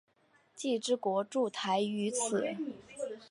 既之国筑台于此。